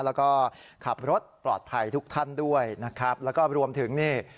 แล้วก็ขับรถปลอดภัยทุกท่านด้วยนะครับแล้วก็รวมถึงนี่